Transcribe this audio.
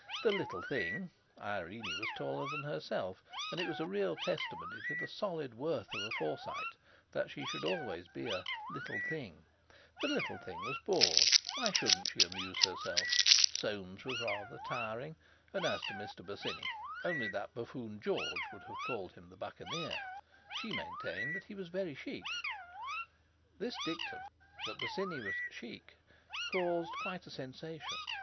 The "little thing"—Irene was taller than herself, and it was real testimony to the solid worth of a Forsyte that she should always thus be a "little thing"—the little thing was bored. Why shouldn't she amuse herself? Soames was rather tiring; and as to Mr. Bosinney—only that buffoon George would have called him the Buccaneer—she maintained that he was very chic. This dictum—that Bosinney was chic—caused quite a sensation.